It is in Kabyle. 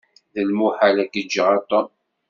D lmuḥal ad k-ǧǧeɣ a Tom.